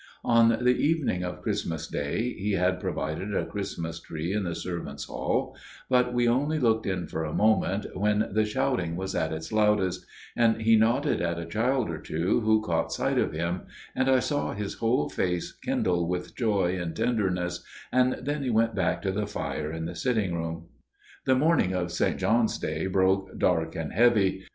On the evening of Christmas Day he had provided a Christmas tree in the servants' hall; but we only looked in for a moment when the shouting was at its loudest, and he nodded at a child or two who caught sight of him, and I saw his whole face kindle with joy and tenderness, and then we went back to the fire in the sitting room. The morning of St. John's Day broke dark and heavy.